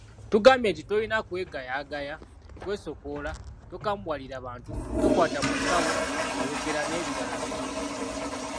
Tugambye nti tolina kwegaayagaaya, kwesokoola, tokambuwalira bantu, tokwata mu nsawo ng’oyogera n’ebirala bingi.